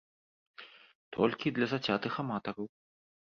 Толькі для зацятых аматараў!